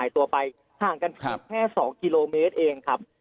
ทางขู่แค่๒กิโลเมตรเองครับ